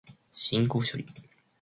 信号処理